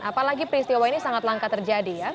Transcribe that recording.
apalagi peristiwa ini sangat langka terjadi ya